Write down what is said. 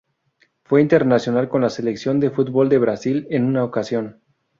Fue internacional con la selección de fútbol de Brasil en una ocasión.